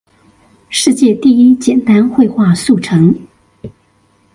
世界第一簡單會話速成